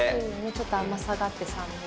ちょっと甘さがあって酸味で。